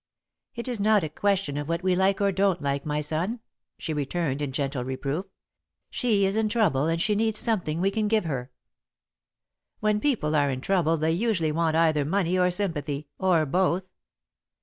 "It is not a question of what we like or don't like, my son," she returned, in gentle reproof. "She is in trouble and she needs something we can give her." "When people are in trouble, they usually want either money or sympathy, or both."